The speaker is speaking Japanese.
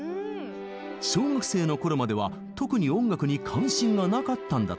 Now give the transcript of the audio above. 小学生のころまでは特に音楽に関心がなかったんだとか。